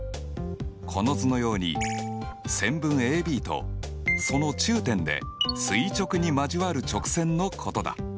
この図のように線分ＡＢとその中点で垂直に交わる直線のことだ。